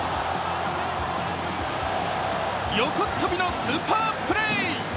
横っ飛びのスーパープレー。